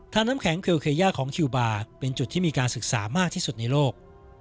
น้ำแข็งเคลเขย่าของคิวบาร์เป็นจุดที่มีการศึกษามากที่สุดในโลก